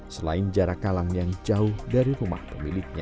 selain jarak kalang yang jauh dari rumah pemiliknya